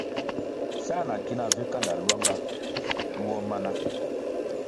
Sā na ki nah vi kanda lwanga duo mana.